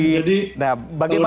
nah bagaimana dengan trend